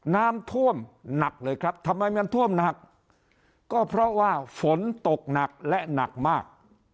น้ำท่วมหนักเลยครับทำไมมันท่วมหนักก็เพราะว่าฝนตกหนักและหนักมาก